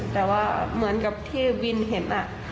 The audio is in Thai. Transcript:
แต่ว่าเหมือนกับที่วินเห็น